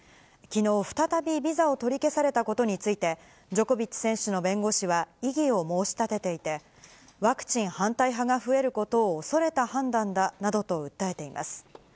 きのう、再びビザを取り消されたことについて、ジョコビッチ選手の弁護士は異議を申し立てていて、ワクチン反対派が増えることを恐れた判断だなどと訴えています。